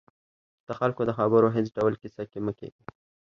د خلکو د خبرو هېڅ ډول کیسه کې مه کېږئ